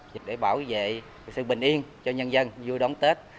dịp để bảo vệ sự bình yên cho nhân dân vui đón tết